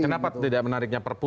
kenapa tidak menariknya perpu